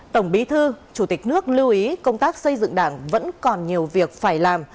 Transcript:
tổng bí thư chủ tịch nước lưu ý công tác xây dựng đảng vẫn còn nhiều việc phải làm